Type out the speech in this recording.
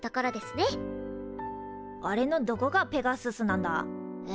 あれのどこがペガススなんだ？え？